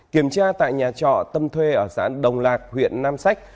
kiểm tra tại nhà trọ tâm thuê ở xã đồng lạc huyện nam sách